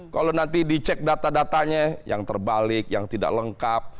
kalau nanti dicek data datanya yang terbalik yang tidak lengkap